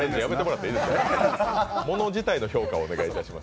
物自体の評価をお願いいたします。